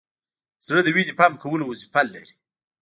زړه د وینې پمپ کولو وظیفه لري.